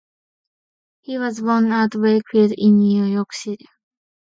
He was born at Wakefield in Yorkshire.